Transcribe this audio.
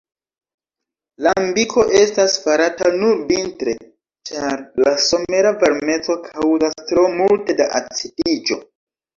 Lambiko estas farata nur vintre, ĉar la somera varmeco kaŭzas tro multe da acidiĝo.